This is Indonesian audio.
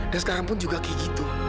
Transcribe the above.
dan sekarang pun juga kayak gitu